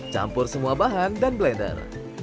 campur semua bahan dan blender